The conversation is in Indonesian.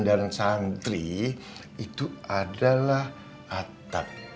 dan santri itu adalah atap